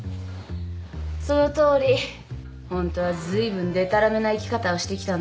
そのとおりホントはずいぶんでたらめな生き方をしてきたの